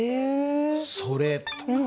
「それ」とか。